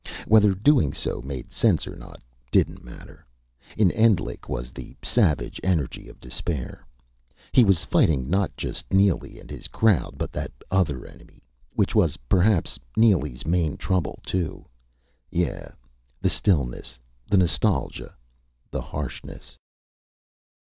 Whether doing so made sense or not, didn't matter. In Endlich was the savage energy of despair. He was fighting not just Neely and his crowd, but that other enemy which was perhaps Neely's main trouble, too. Yeah the stillness, the nostalgia, the harshness.